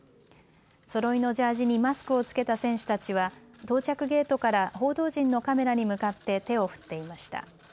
そろいのジャージにマスクを着けた選手たちは到着ゲートから報道陣のカメラに向かって手を振っていました。